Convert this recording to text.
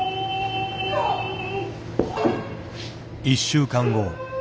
１週間後。